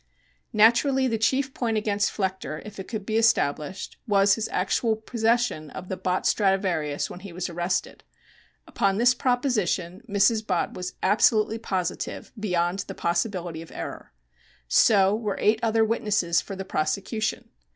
Naturally the chief point against Flechter, if it could be established, was his actual possession of the Bott Stradivarius when he was arrested. Upon this proposition Mrs. Bott was absolutely positive beyond the possibility of error. So were eight other witnesses for the prosecution.